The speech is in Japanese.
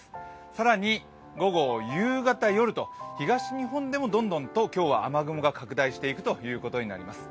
更に、午後、夕方、夜と東日本でもどんどんと今日は雨雲が拡大していくことになります。